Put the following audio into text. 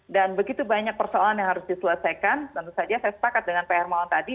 dan begitu banyak persoalan yang harus diselesaikan tentu saja saya sepakat dengan pak hermawan tadi